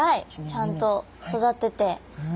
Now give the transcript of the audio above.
ちゃんと育てて。